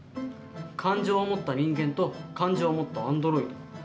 感情を持った人間と感情を持ったアンドロイド。